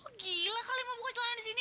lo gila kali mau buka celana di sini